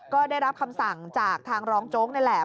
ก็ได้รับคำสั่งจากทางรองโจ๊กนี่แหละ